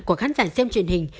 của khán giả xem truyền hình